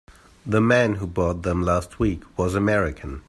The man who bought them last week was American.